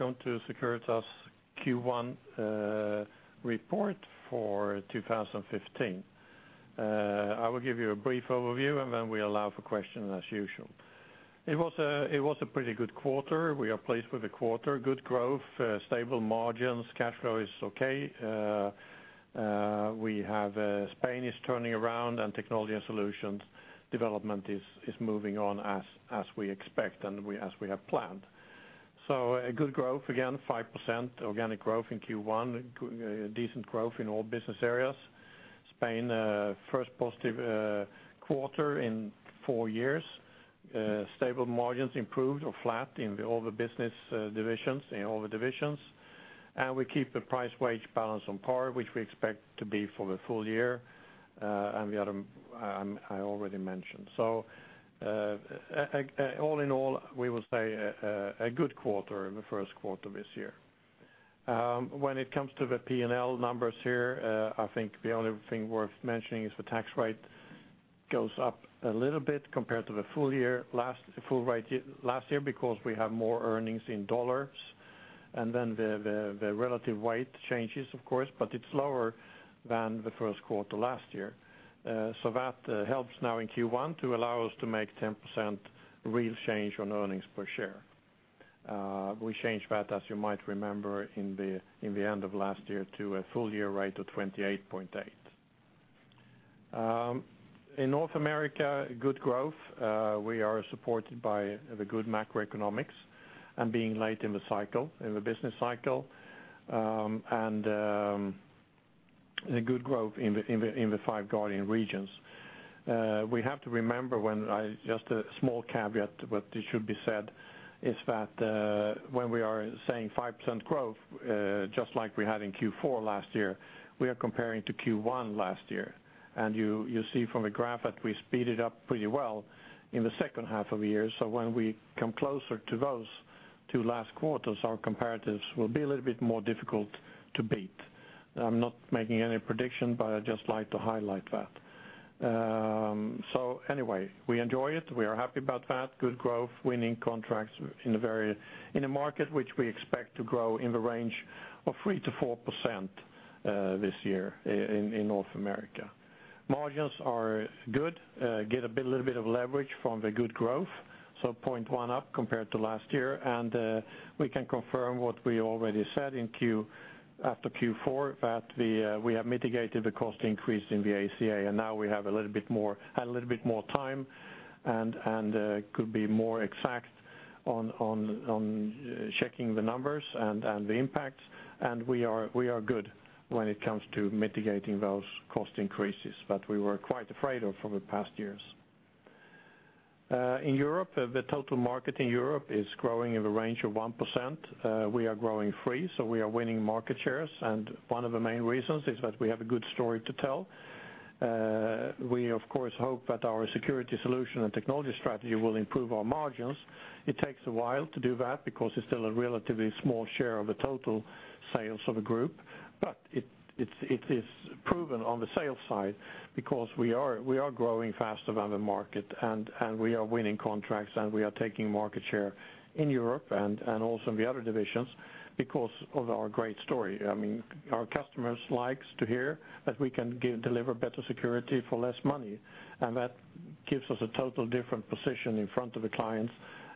Hello everyone. Very welcome to Securitas Q1 report for 2015. I will give you a brief overview and then we allow for questions as usual. It was a pretty good quarter. We are pleased with the quarter. Good growth stable margins. Cash flow is okay. We have. Spain is turning around and technology and solutions development is moving on as we expect and as we have planned. So good growth again 5% organic growth in Q1. Good, good, decent growth in all business areas. Spain first positive quarter in four years. Stable margins improved or flat in all the business divisions. And we keep the price wage balance on par which we expect to be for the full year. And we had an M&A I already mentioned. So all in all we will say a good quarter in the first quarter this year. When it comes to the P&L numbers here I think the only thing worth mentioning is the tax rate goes up a little bit compared to the full year last year because we have more earnings in dollars. And then the relative weight changes of course but it's lower than the first quarter last year. So that helps now in Q1 to allow us to make 10% real change on earnings per share. We change that as you might remember in the end of last year to a full year rate of 28.8. In North America good growth. We are supported by the good macroeconomics and being late in the cycle in the business cycle. good growth in the five geographic regions. We have to remember when I add a small caveat what should be said is that when we are saying 5% growth just like we had in Q4 last year we are comparing to Q1 last year. You see from the graph that we speeded up pretty well in the second half of the year. So when we come closer to those two last quarters our comparatives will be a little bit more difficult to beat. I'm not making any prediction but I'd just like to highlight that. So anyway we enjoy it. We are happy about that. Good growth winning contracts within a very in a market which we expect to grow in the range of 3%-4% this year in North America. Margins are good. Get a little bit of leverage from the good growth. So 0.1 up compared to last year. And we can confirm what we already said in Q1 after Q4 that we have mitigated had a little bit more time and could be more exact on checking the numbers and the impacts. And we are good when it comes to mitigating those cost increases that we were quite afraid of for the past years. In Europe the total market in Europe is growing in the range of 1%. We are growing 3%. So we are winning market shares. And one of the main reasons is that we have a good story to tell. We of course hope that our security solution and technology strategy will improve our margins. It takes a while to do that because it's still a relatively small share of the total sales of a group. But it's proven on the sales side because we are growing faster than the market. And we are winning contracts and we are taking market share in Europe and also in the other divisions because of our great story. I mean our customers like to hear that we can deliver better security for less money. And that gives us a totally different position in front of the clients.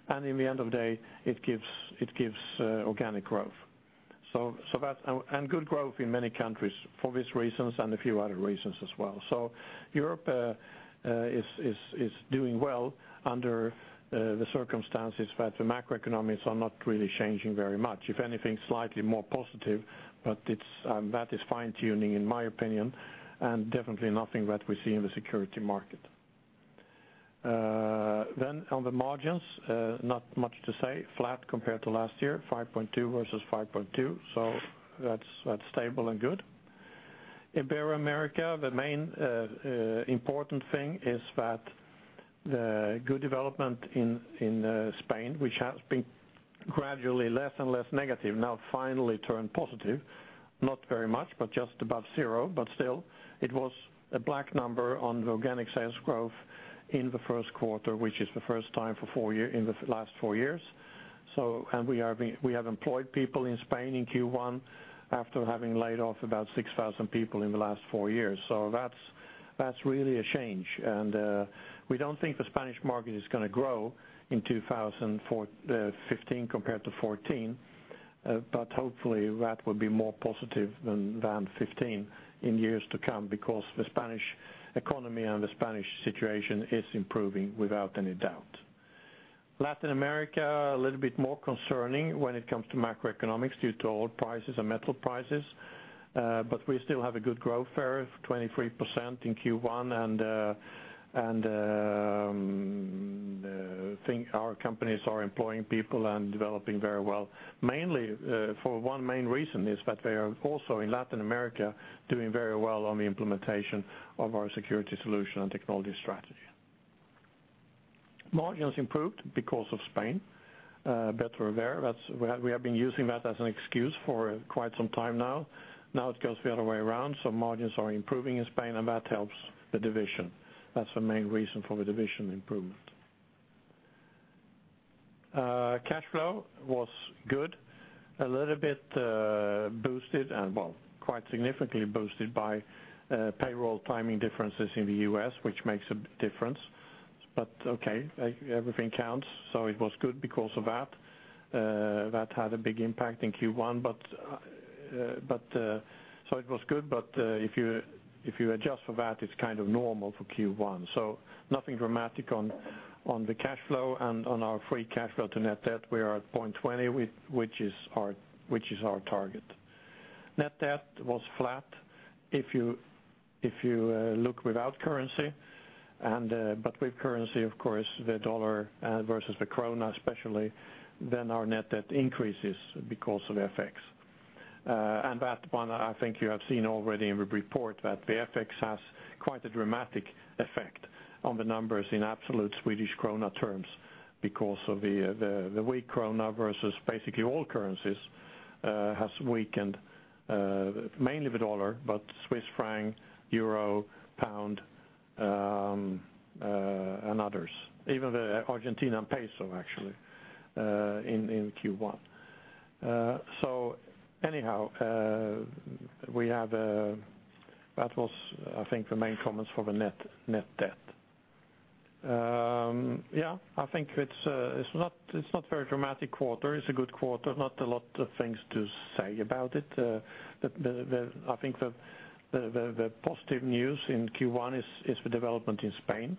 And in the end of the day it gives organic growth. So that's good growth in many countries for these reasons and a few other reasons as well. So Europe is doing well under the circumstances that the macroeconomics are not really changing very much. If anything slightly more positive, but that is fine-tuning in my opinion. And definitely nothing that we see in the security market. Then on the margins not much to say. Flat compared to last year. 5.2% versus 5.2%. So that's stable and good. In Ibero-America the main important thing is that the good development in Spain which has been gradually less and less negative now finally turned positive. Not very much but just above zero. But still it was in the black on the organic sales growth in the first quarter which is the first time in four years in the last four years. So we have employed people in Spain in Q1 after having laid off about 6,000 people in the last four years. So that's really a change. And we don't think the Spanish market is gonna grow in 2015 compared to 2014. But hopefully that will be more positive than 2015 in years to come because the Spanish economy and the Spanish situation is improving without any doubt. Latin America a little bit more concerning when it comes to macroeconomics due to oil prices and metal prices. But we still have a good growth there of 23% in Q1. And the thing our companies are employing people and developing very well. Mainly for one main reason is that they are also in Latin America doing very well on the implementation of our security solution and technology strategy. Margins improved because of Spain. Better there. That's, we have been using that as an excuse for quite some time now. Now it goes the other way around. So margins are improving in Spain and that helps the division. That's the main reason for the division improvement. Cash flow was good. A little bit boosted and, well, quite significantly boosted by payroll timing differences in the U.S. which makes a difference. But okay, everything counts. So it was good because of that. That had a big impact in Q1. But but so it was good. But if you if you adjust for that it's kind of normal for Q1. So nothing dramatic on the cash flow. And on our free cash flow to net debt we are at 0.20 which is our target. Net debt was flat if you look without currency. But with currency, of course, the dollar versus the krona especially—then our net debt increases because of the FX. That one, I think you have seen already in the report, that the FX has quite a dramatic effect on the numbers in absolute Swedish krona terms because of the weak krona versus basically all currencies has weakened mainly the dollar but Swiss franc, euro, pound and others. Even the Argentine peso actually in Q1. So, anyhow, that was, I think, the main comments for the net debt. Yeah, I think it's not a very dramatic quarter. It's a good quarter. Not a lot of things to say about it. The positive news in Q1 is the development in Spain.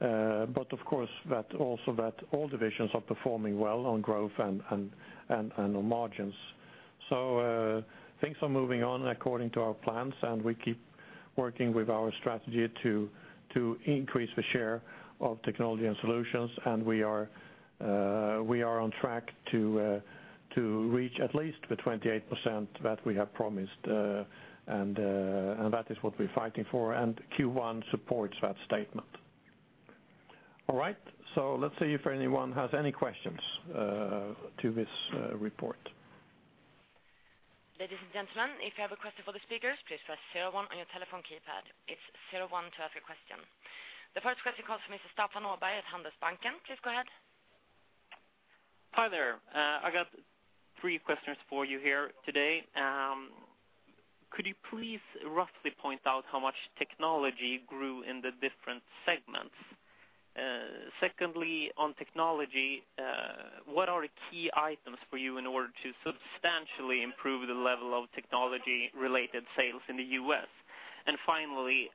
But of course, that all divisions are performing well on growth and on margins. So things are moving according to our plans, and we keep working with our strategy to increase the share of technology and solutions. We are on track to reach at least the 28% that we have promised, and that is what we're fighting for. Q1 supports that statement. All right. So let's see if anyone has any questions to this report. Ladies and gentlemen, if you have a question for the speakers, please press zero one on your telephone keypad. It's zero one to ask a question. The first question comes from Mr. Stefan Knutsson at SEB Enskilda. Please go ahead. Hi there. I got three questions for you here today. Could you please roughly point out how much technology grew in the different segments? Secondly, on technology, what are the key items for you in order to substantially improve the level of technology-related sales in the U.S.? And finally,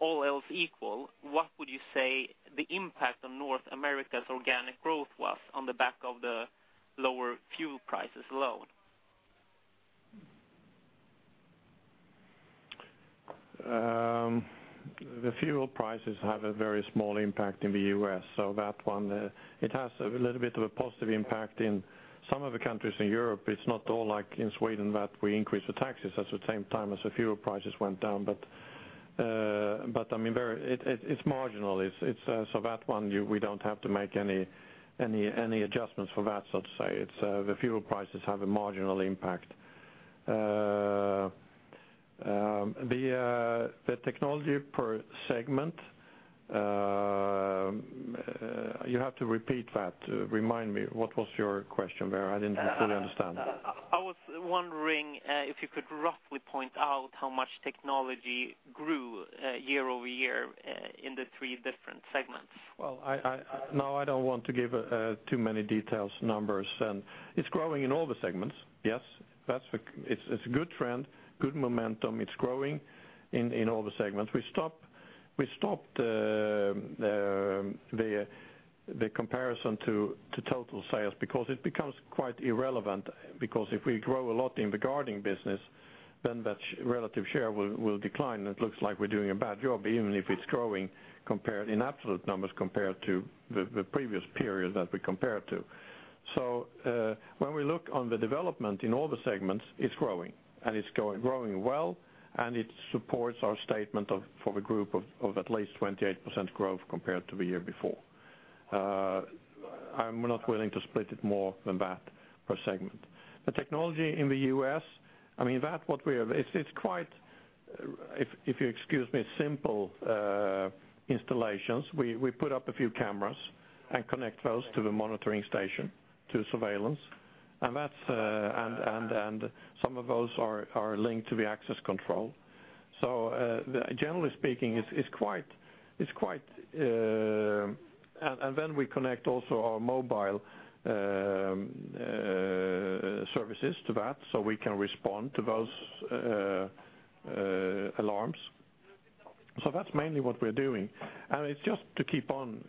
all else equal, what would you say the impact on North America's organic growth was on the back of the lower fuel prices alone? The fuel prices have a very small impact in the U.S.. So that one has a little bit of a positive impact in some of the countries in Europe. It's not all like in Sweden that we increased the taxes at the same time as the fuel prices went down. But I mean, it's marginal. It's so that one we don't have to make any adjustments for that, so to say. The fuel prices have a marginal impact. The technology per segment, you have to repeat that to remind me. What was your question there? I didn't fully understand. I was wondering if you could roughly point out how much technology grew year over year in the three different segments? Well, I don't want to give too many details numbers. And it's growing in all the segments. Yes. That's the case. It's a good trend. Good momentum. It's growing in all the segments. We stopped the comparison to total sales because it becomes quite irrelevant. Because if we grow a lot in the guarding business then that relative share will decline. And it looks like we're doing a bad job even if it's growing in absolute numbers compared to the previous period that we compared to. So when we look on the development in all the segments it's growing. And it's growing well. And it supports our statement for the group of at least 28% growth compared to the year before. I'm not willing to split it more than that per segment. The technology in the U.S., I mean, that's what we are. It's quite, if you excuse me, simple installations. We put up a few cameras and connect those to the monitoring station to surveillance. And that's, and some of those are linked to the access control. So, generally speaking, it's quite, and then we connect also our mobile services to that so we can respond to those alarms. So that's mainly what we're doing. And it's just to keep on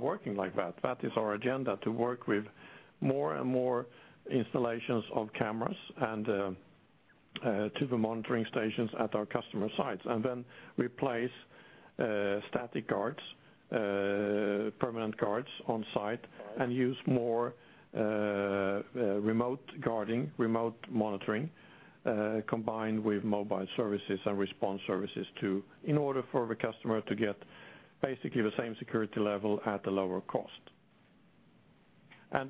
working like that. That is our agenda to work with more and more installations of cameras and to the monitoring stations at our customer sites. Then replace static guards, permanent guards on site, and use more remote guarding, remote monitoring combined with mobile services and response services in order for the customer to get basically the same security level at a lower cost.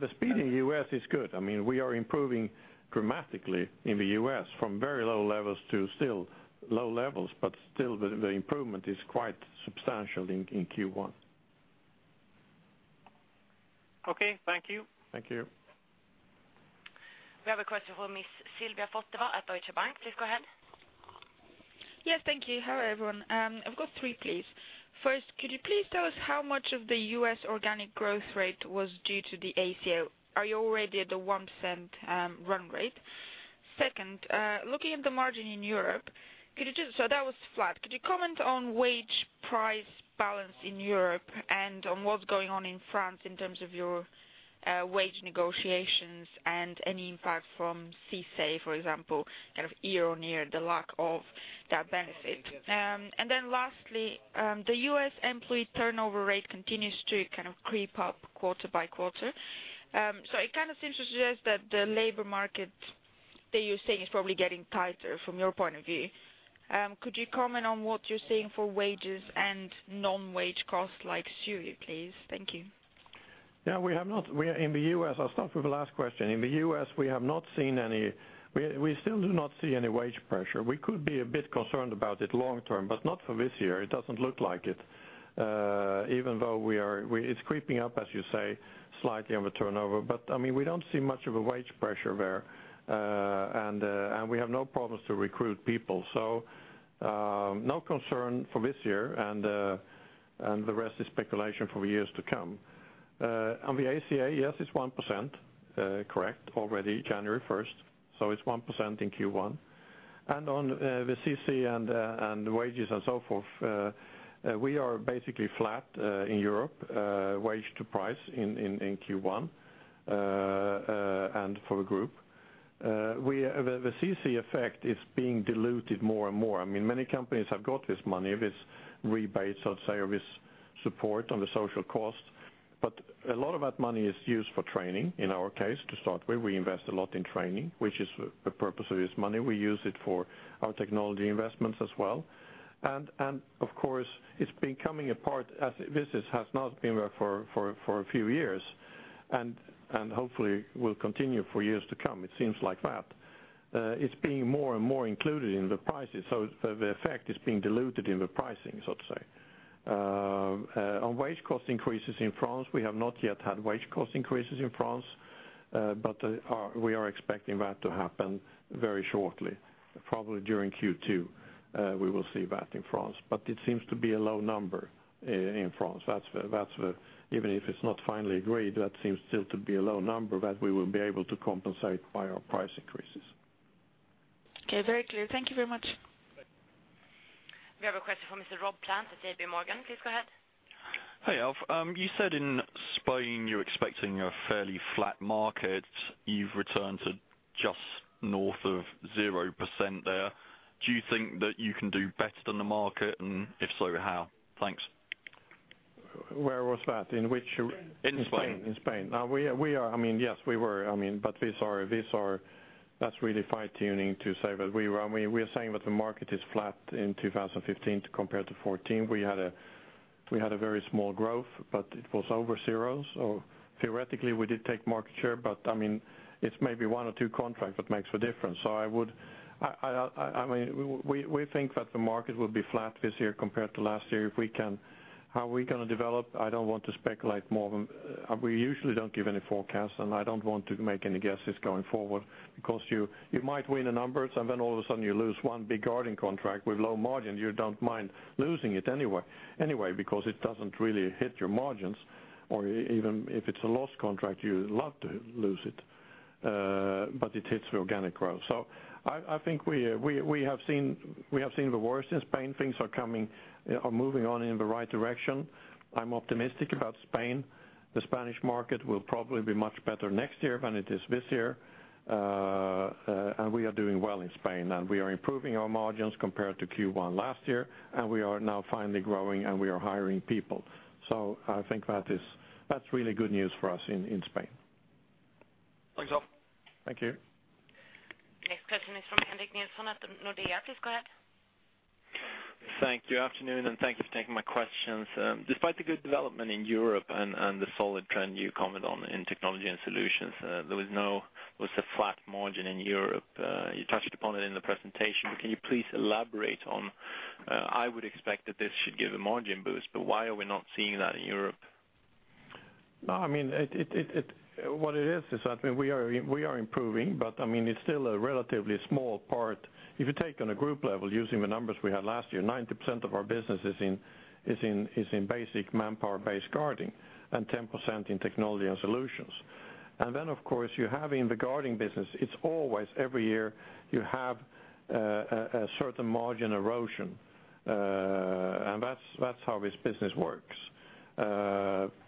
The speed in the U.S. is good. I mean we are improving dramatically in the U.S. from very low levels to still low levels. But still the improvement is quite substantial in Q1. Okay. Thank you. Thank you. We have a question from Ms. Sylvia Boteva at Deutsche Bank. Please go ahead. Yes, thank you. Hello everyone. I've got three please. First, could you please tell us how much of the U.S. organic growth rate was due to the ACA? Are you already at the 1% run rate? Second, looking at the margin in Europe, could you just so that was flat. Could you comment on wage price balance in Europe and on what's going on in France in terms of your wage negotiations and any impact from CICE for example kind of year on year the lack of that benefit? And then lastly, the U.S. employee turnover rate continues to kind of creep up quarter by quarter. So it kind of seems to suggest that the labor market that you're saying is probably getting tighter from your point of view. Could you comment on what you're seeing for wages and non-wage costs like SUI please? Thank you. Yeah, we are in the U.S. I'll start with the last question. In the U.S., we have not seen any; we still do not see any wage pressure. We could be a bit concerned about it long term but not for this year. It doesn't look like it even though we are; it's creeping up as you say slightly on the turnover. But I mean we don't see much of a wage pressure there. And we have no problems to recruit people. So no concern for this year and the rest is speculation for the years to come. On the ACA, yes, it's 1% correct already January first. So it's 1% in Q1. And on the CICE and wages and so forth, we are basically flat in Europe wage to price in Q1 and for the group. The CICE effect is being diluted more and more. I mean many companies have got this money this rebate so to say or this support on the social cost. But a lot of that money is used for training in our case to start with. We invest a lot in training which is the purpose of this money. We use it for our technology investments as well. And of course it's becoming a part as this has not been there for a few years. And hopefully will continue for years to come. It seems like that. It's being more and more included in the prices. So the effect is being diluted in the pricing so to say. On wage cost increases in France we have not yet had wage cost increases in France. But the CLA we are expecting that to happen very shortly. Probably during Q2 we will see that in France. But it seems to be a low number in France. That's the even if it's not finally agreed, that seems still to be a low number that we will be able to compensate by our price increases. Okay. Very clear. Thank you very much. We have a question from Mr. Rob Plant at JPMorgan. Please go ahead. Hi, Alf. You said in Spain you're expecting a fairly flat market. You've returned to just north of 0% there. Do you think that you can do better than the market and if so how? Thanks. Where was that? In which In Spain. In Spain. Now we are. I mean, yes, we were. I mean, but these are – that's really fine-tuning to say that we were. I mean, we are saying that the market is flat in 2015 compared to 2014. We had a very small growth, but it was over zero. So theoretically we did take market share, but I mean it's maybe one or two contracts that makes the difference. So I would – I mean, we think that the market will be flat this year compared to last year if we can – how are we gonna develop? I don't want to speculate more than we usually don't give any forecasts, and I don't want to make any guesses going forward because you might win the numbers and then all of a sudden you lose one big guarding contract with low margin. You don't mind losing it anyway because it doesn't really hit your margins. Or even if it's a lost contract you'd love to lose it, but it hits the organic growth. So I think we have seen the worst in Spain. Things are moving on in the right direction. I'm optimistic about Spain. The Spanish market will probably be much better next year than it is this year, and we are doing well in Spain. And we are improving our margins compared to Q1 last year. We are now finally growing and we are hiring people. So I think that is, that's really good news for us in Spain. Thanks Alf. Thank you. Next question is from Henrik Nilsson at Nordea. Please go ahead. Thank you. Afternoon and thank you for taking my questions. Despite the good development in Europe and the solid trend you comment on in technology and solutions, there was a flat margin in Europe. You touched upon it in the presentation, but can you please elaborate? I would expect that this should give a margin boost, but why are we not seeing that in Europe? No, I mean, what it is is that I mean, we are improving, but I mean, it's still a relatively small part if you take on a group level, using the numbers we had last year, 90% of our business is in basic manpower-based guarding and 10% in technology and solutions. And then, of course, you have in the guarding business. It's always every year you have a certain margin erosion, and that's how this business works: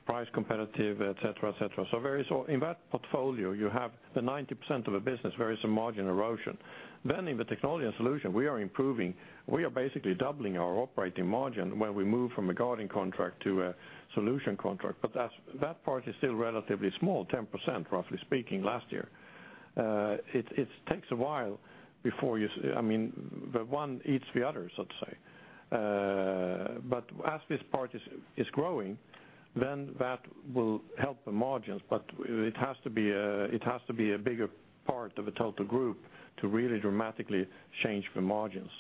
price competitive, et cetera, et cetera. So there is all in that portfolio you have the 90% of a business there is a margin erosion. Then in the technology and solution we are improving. We are basically doubling our operating margin when we move from a guarding contract to a solution contract. But that part is still relatively small 10% roughly speaking last year. It takes a while before you see, I mean the one eats the other so to say. But as this part is growing then that will help the margins. But with it has to be a bigger part of the total group to really dramatically change the margins.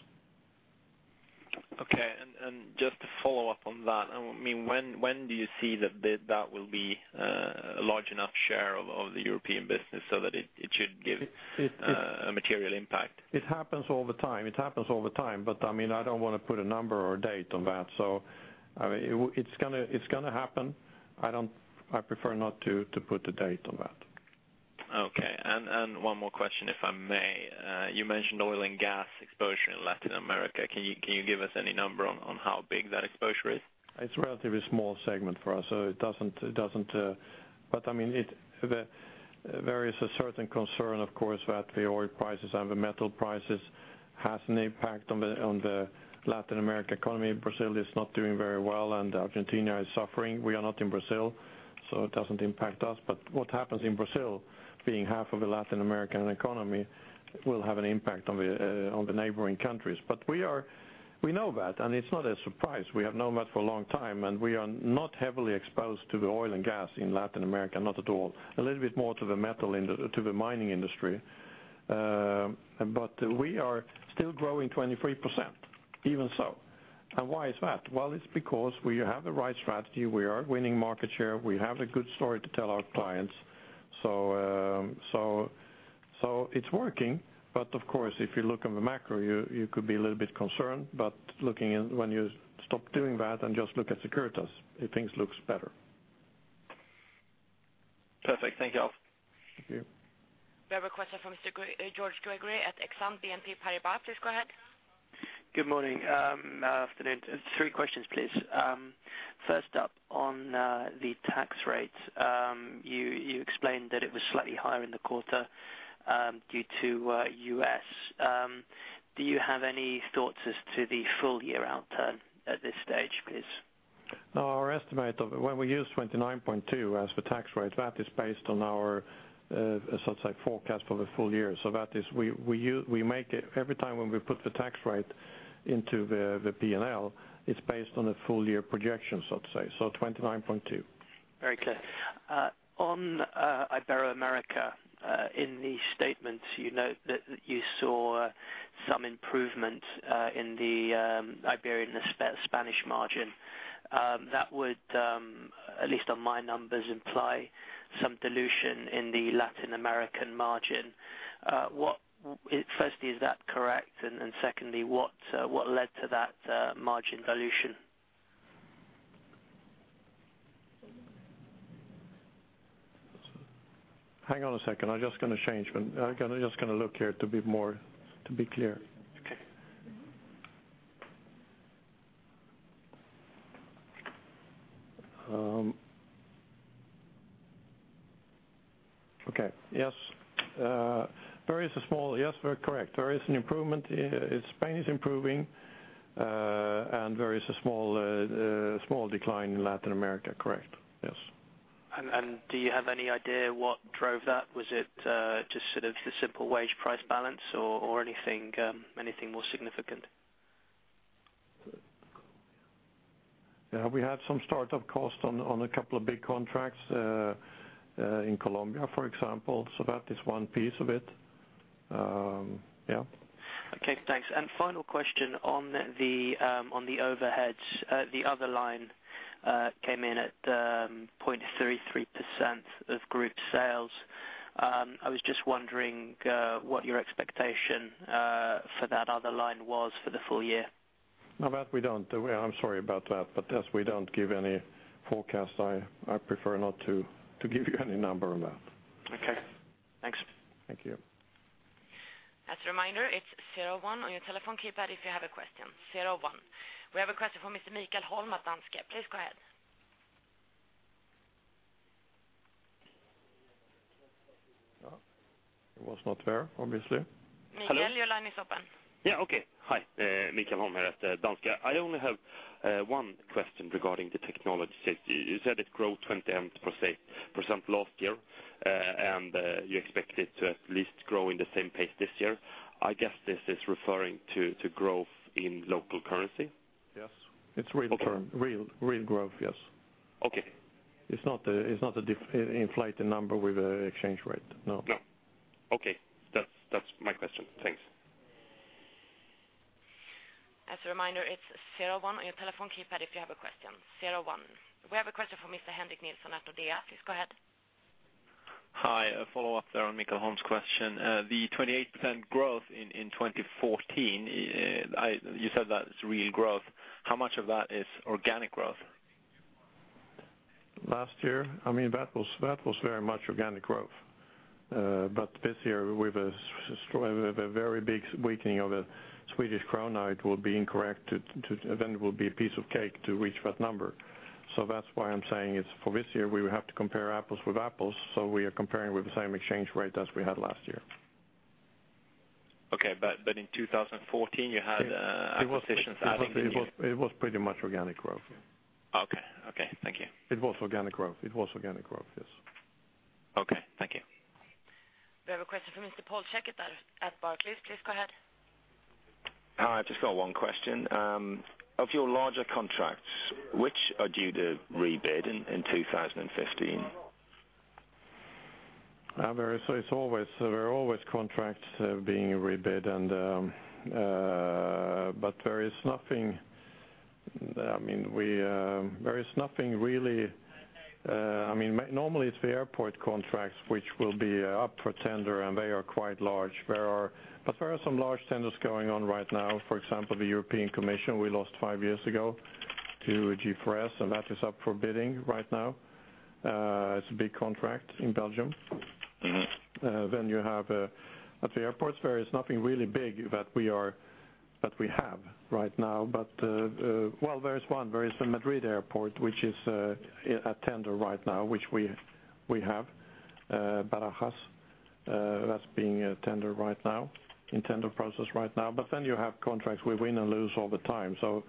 Okay. And just to follow up on that, I mean, when do you see that will be a large enough share of the European business so that it should give it a material impact? It happens all the time. It happens all the time. But I mean I don't wanna put a number or a date on that. So I mean it's gonna happen. I prefer not to put a date on that. Okay. One more question if I may. You mentioned oil and gas exposure in Latin America. Can you give us any number on how big that exposure is? It's a relatively small segment for us. So it doesn't, but I mean, there is a certain concern of course that the oil prices and the metal prices has an impact on the Latin American economy. Brazil is not doing very well and Argentina is suffering. We are not in Brazil so it doesn't impact us. But what happens in Brazil being half of the Latin American economy will have an impact on the neighboring countries. But we know that and it's not a surprise. We have known that for a long time. And we are not heavily exposed to the oil and gas in Latin America not at all. A little bit more to the metal in the mining industry, but we are still growing 23% even so. And why is that? Wedll, it's because we have the right strategy. We are winning market share. We have a good story to tell our clients. So it's working. But of course if you look on the macro you could be a little bit concerned. But looking in when you stop doing that and just look at Securitas it things looks better. Perfect. Thank you, Alf. Thank you. We have a question from Mr. George Gregory at Exane BNP Paribas. Please go ahead. Good morning. Afternoon. Three questions, please. First up on the tax rates. You explained that it was slightly higher in the quarter due to U.S. Do you have any thoughts as to the full year outturn at this stage, please? No, our estimate of it, when we use 29.2% as the tax rate, that is based on our so to say forecast for the full year. So that is, we use we make it every time when we put the tax rate into the P&L; it's based on the full year projection so to say. So 29.2%. Very clear. On Ibero-America in the statements you note that you saw some improvements in the Iberian and the Spanish margin. That would at least on my numbers imply some dilution in the Latin American margin. What would it? Firstly, is that correct? And secondly, what led to that margin dilution? Hang on a second. I'm just gonna change my, gonna just look here to be more clear. Okay. Okay. Yes. There is a small yes, we're correct. There is an improvement in Spain. It is improving. And there is a small small decline in Latin America, correct. Yes. Do you have any idea what drove that? Was it just sort of the simple wage price balance or anything more significant? Yeah, we had some startup cost on a couple of big contracts in Colombia, for example. So that is one piece of it. Yeah. Okay. Thanks. And final question on the overheads. The other line came in at 0.33% of group sales. I was just wondering what your expectation for that other line was for the full year. No, we don't. I'm sorry about that. But yes, we don't give any forecast. I prefer not to give you any number on that. Okay. Thanks. Thank you. As a reminder, it's zero one on your telephone keypad if you have a question. Zero one. We have a question from Mr. Mikael Holm at Danske. Please go ahead. It was not there obviously. Hello? Mikael, your line is open. Yeah, okay. Hi, Mikael Holm here at Danske. I only have one question regarding the technology services. You said it grow 20% last year, and you expect it to at least grow in the same pace this year. I guess this is referring to growth in local currency? Yes. It's real term. Real real growth, yes. Okay. It's not the difference in inflation, the number with the exchange rate. No. No. Okay. That's that's my question. Thanks. As a reminder, it's zero one on your telephone keypad if you have a question. Zero one. We have a question from Mr. Henrik Nilsson at Nordea. Please go ahead. Hi, follow up there on Mikael Holm's question. The 28% growth in 2014. You said that it's real growth. How much of that is organic growth? Last year, I mean, that was very much organic growth. But this year we've a very big weakening of the Swedish krona. It will be incorrect to then it will be a piece of cake to reach that number. So that's why I'm saying it's for this year we will have to compare apples with apples. So we are comparing with the same exchange rate as we had last year. Okay. But in 2014 you had acquisitions adding in. It was pretty much organic growth. Okay. Okay. Thank you. It was organic growth. It was organic growth, yes. Okay. Thank you. We have a question from Mr. Paul Checketts there at Barclays. Please go ahead. Hi, I've just got one question. Of your larger contracts which are due to rebid in 2015? There are always contracts being rebid, but there is nothing really. I mean, mainly normally it's the airport contracts which will be up for tender and they are quite large. But there are some large tenders going on right now. For example, the European Commission we lost five years ago to G4S and that is up for bidding right now. It's a big contract in Belgium. Mm-hmm. Then you have at the airports. There is nothing really big that we have right now. But well, there is one. There is the Madrid airport which is up for tender right now which we have. Barajas, that's being tendered right now in tender process right now. But then you have contracts we win and lose all the time. So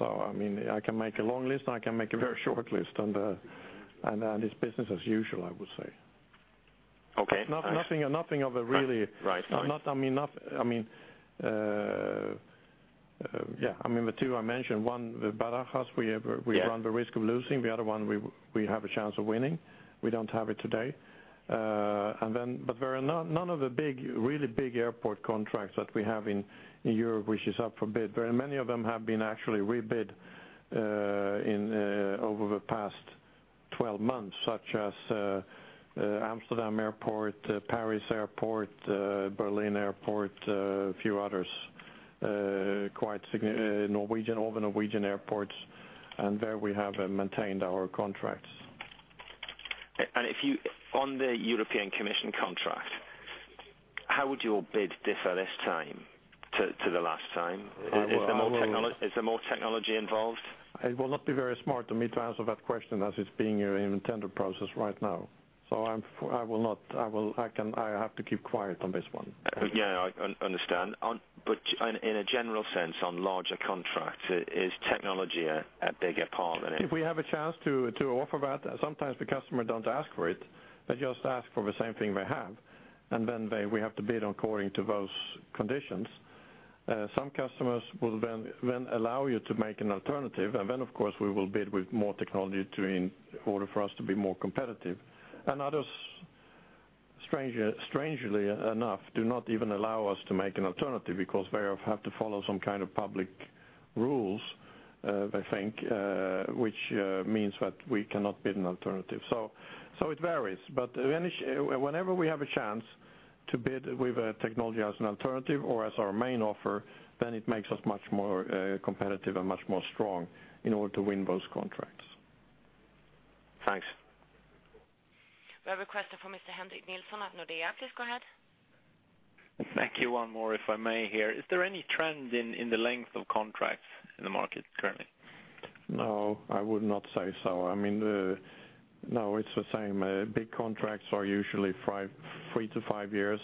I mean I can make a long list and I can make a very short list. And it's business as usual I would say. Okay. It's not nothing of a really. Right. Time. I mean, yeah, I mean the two I mentioned. One, the Barajas, we run the risk of losing. The other one, we have a chance of winning. We don't have it today. But there are none of the big, really big airport contracts that we have in Europe which are up for bid. Very many of them have actually been rebid over the past 12 months, such as Amsterdam airport, Paris airport, Berlin airport, a few others, quite significant Norwegian, all the Norwegian airports. And there we have maintained our contracts. If you bid on the European Commission contract, how would your bid differ this time to the last time? Is there more technology involved? It will not be very smart of me to answer that question as it's being in tender process right now. So I have to keep quiet on this one. Yeah, I understand. But in a general sense, on larger contracts, is technology a bigger part than it? If we have a chance to offer that sometimes the customer don't ask for it. They just ask for the same thing they have. And then we have to bid according to those conditions. Some customers will then allow you to make an alternative. And then of course we will bid with more technology to in order for us to be more competitive. And others strangely enough do not even allow us to make an alternative because they have to follow some kind of public rules they think which means that we cannot bid an alternative. So it varies. But anyway whenever we have a chance to bid with a technology as an alternative or as our main offer then it makes us much more competitive and much more strong in order to win those contracts. Thanks. We have a question from Mr. Henrik Nilsson at Nordea. Please go ahead. Thank you. One more if I may here. Is there any trend in the length of contracts in the market currently? No, I would not say so. I mean, no, it's the same. Big contracts are usually three to five years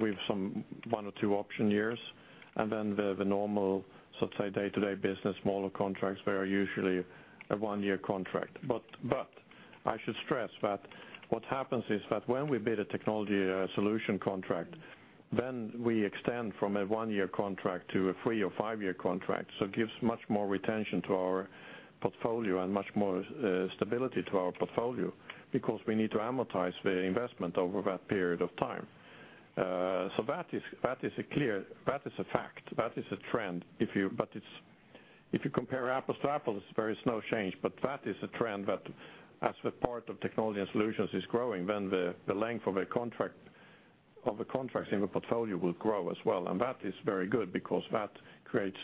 with some one or two option years. And then the normal, so to say, day-to-day business smaller contracts, they are usually a one-year contract. But I should stress that what happens is that when we bid a technology solution contract, then we extend from a one-year contract to a three- or five-year contract. So it gives much more retention to our portfolio and much more stability to our portfolio because we need to amortize the investment over that period of time. So that is a clear fact. That is a trend if you but it's if you compare apples to apples it's very slow change. That is a trend that as the part of technology and solutions is growing then the length of a contract of the contracts in the portfolio will grow as well. That is very good because that creates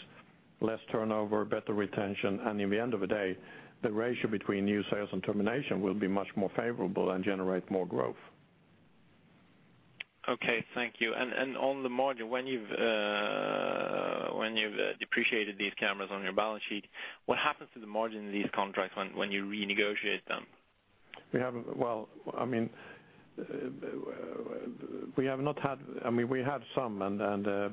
less turnover, better retention. At the end of the day the ratio between new sales and termination will be much more favorable and generate more growth. Okay. Thank you. And on the margin when you've depreciated these cameras on your balance sheet what happens to the margin in these contracts when you renegotiate them? Well, I mean, we have not had—I mean, we had some,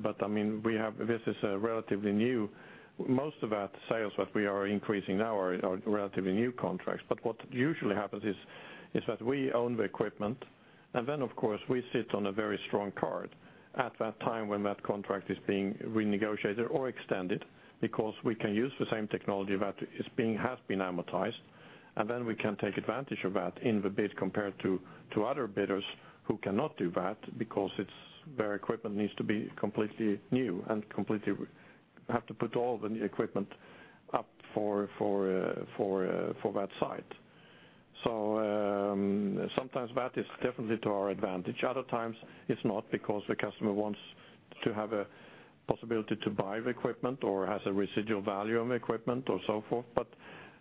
but I mean, we have. This is relatively new with most of that sales that we are increasing now are relatively new contracts. But what usually happens is that we own the equipment and then of course we sit on a very strong card at that time when that contract is being renegotiated or extended because we can use the same technology that has been amortized. And then we can take advantage of that in the bid compared to other bidders who cannot do that because it's their equipment needs to be completely new and have to put all the equipment up for that site. So sometimes that is definitely to our advantage. Other times it's not because the customer wants to have a possibility to buy the equipment or has a residual value on the equipment or so forth. But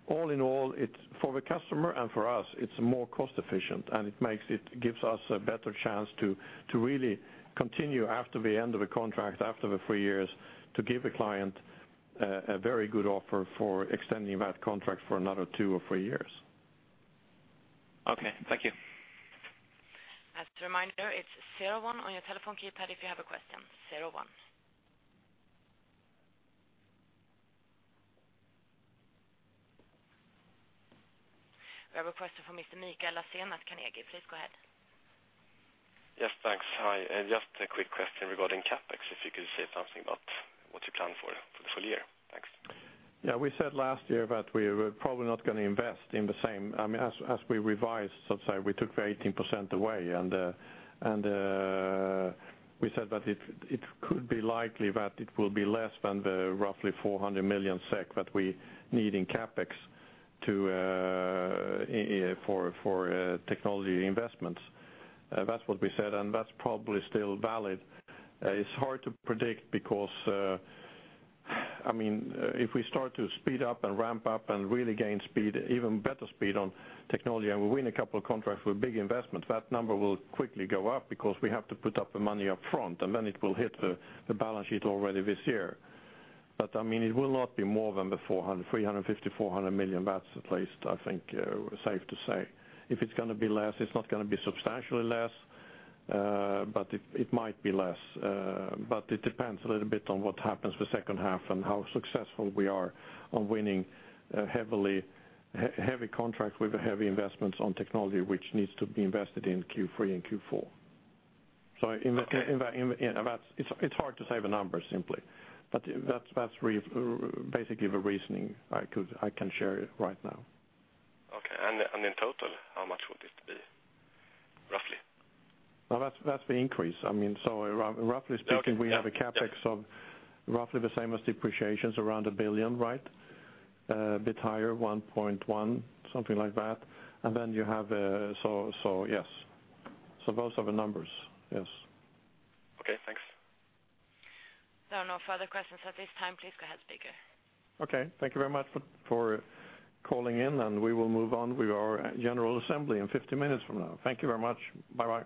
all in all it's for the customer, and for us it's more cost efficient. And it gives us a better chance to really continue after the end of the contract, after the three years, to give the client a very good offer for extending that contract for another two or three years. Okay. Thank you. As a reminder it's zero one on your telephone keypad if you have a question. Zero one. We have a question from Mr. Viktor Lindeberg at Carnegie. Please go ahead. Yes, thanks. Hi, just a quick question regarding CapEx if you could say something about what you plan for for the full year? Thanks. Yeah, we said last year that we were probably not gonna invest in the same. I mean, as we revised, so to say, we took 18% away. And we said that it could be likely that it will be less than the roughly 400 million SEK that we need in CapEx for technology investments. That's what we said, and that's probably still valid. It's hard to predict because, I mean, if we start to speed up and ramp up and really gain speed, even better speed, on technology and we win a couple of contracts with big investments, that number will quickly go up because we have to put up the money up front. And then it will hit the balance sheet already this year. But I mean it will not be more than the 350 million- 400 million that's at least I think it's safe to say. If it's gonna be less it's not gonna be substantially less. But it might be less. But it depends a little bit on what happens the second half and how successful we are on winning heavy contracts with heavy investments on technology which needs to be invested in Q3 and Q4. So it's hard to say the numbers simply. But that's basically the reasoning I can share right now. Okay. And in total, how much would it be roughly? Now that's the increase. I mean, so roughly speaking. Yeah. We have a CapEx of roughly the same as depreciations around 1 billion, right? A bit higher, 1.1 billion something like that. And then you have so so yes. So those are the numbers yes. Okay. Thanks. There are no further questions at this time. Please go ahead, speaker. Okay. Thank you very much for calling in. We will move on with our general assembly in 50 minutes from now. Thank you very much. Bye-bye.